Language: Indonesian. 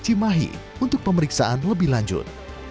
cimahi untuk pemeriksaan lebih lanjut